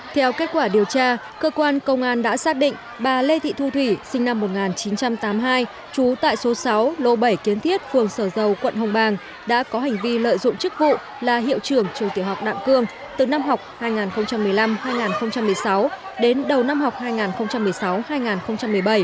theo kết quả điều tra cơ quan công an đã xác định bà lê thị thu thủy sinh năm một nghìn chín trăm tám mươi hai trú tại số sáu lô bảy kiến thiết phường sở dầu quận hồng bàng đã có hành vi lợi dụng chức vụ là hiệu trưởng trường tiểu học đạm cương từ năm học hai nghìn một mươi năm hai nghìn một mươi sáu đến đầu năm học hai nghìn một mươi sáu hai nghìn một mươi bảy